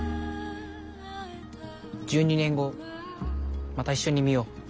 １２年後また一緒に見よう。